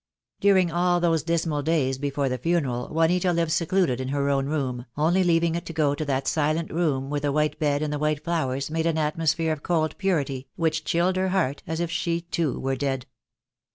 During all those dismal days before the funeral Juanita lived secluded in her own room, only leaving it to go to that silent room where the white bed and the white flowers made an atmosphere of cold purity, which chilled her heart as if she too were dead.